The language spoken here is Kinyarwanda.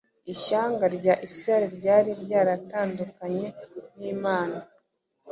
Ishyanga rya Isiraheli ryari ryaratandukanye n’Imana.